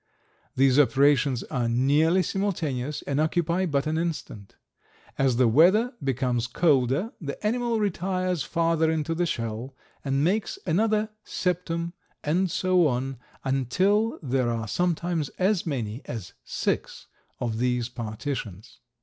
These operations are nearly simultaneous and occupy but an instant. As the weather becomes colder the animal retires farther into the shell, and makes another septum, and so on, until there are sometimes as many as six of these partitions."